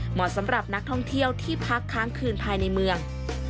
เหมาะสำหรับนักท่องเที่ยวที่พักค้างคืนภายในเมือง